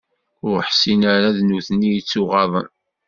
Ur ḥsin ara d nutni i yettuɣaḍen.